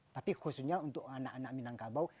tapi khususnya untuk anak anak minangkabau